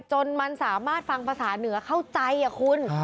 จนมันสามารถฟังภาษาเหนือเข้าใจคุณ